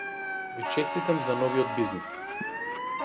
Ви честитам за новиот бизнис.